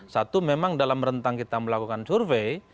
satu memang dalam rentang kita melakukan survei